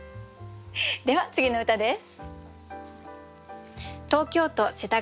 では次の歌です。